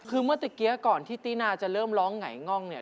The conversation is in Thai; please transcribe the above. คือเมื่อตะกี้ก่อนที่ตินาจะเริ่มร้องหงายง่องเนี่ย